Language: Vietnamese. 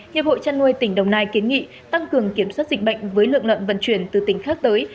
hiệp hội chăn nuôi tỉnh đồng nai kiến nghị tăng cường kiểm soát dịch bệnh với lượng lợn vận chuyển từ tỉnh khác tới